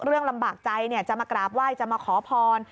ลำบากใจจะมากราบไหว้จะมาขอพร